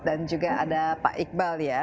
dan juga ada pak iqbal